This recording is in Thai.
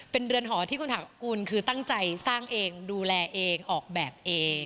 เป็นเรือนหอที่คุณถากุลคือตั้งใจสร้างเองดูแลเองออกแบบเอง